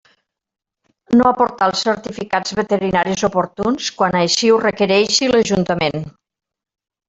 No aportar els certificats veterinaris oportuns quan així ho requereixi l'Ajuntament.